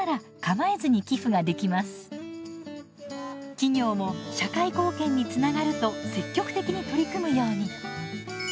企業も社会貢献につながると積極的に取り組むように。